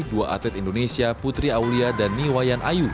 dua atlet indonesia putri aulia dan niwayan ayu